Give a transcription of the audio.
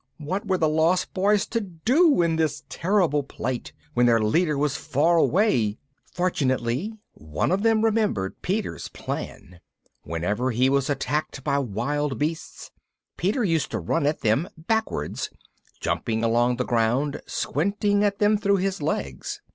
What were the Lost Boys to do in this terrible plight, when their leader was far away? Fortunately, one of them remembered Peter's plan. Whenever he was attacked by wild beasts Peter used to run at them backwards, jumping along the ground, squinting at them through his legs.